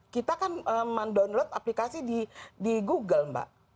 kita kan mendownload aplikasi di google mbak